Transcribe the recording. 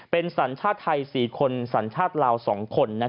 เป็นสัญชาติไทย๔คนสัญชาติลาว๒คน